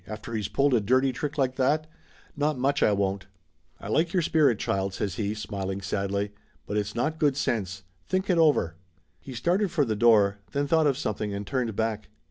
"After he's pulled a dirty trick like that ? Not much, I won't !" "I like your spirit, child," says he, smiling sadly, "but it's not good sense. Think it over." He started for the door, then thought of something and turned back.